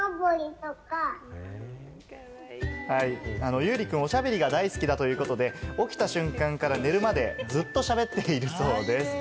ゆうりくんは、お喋りが大好きだということで、起きた瞬間から寝るまでずっと喋っているそうです。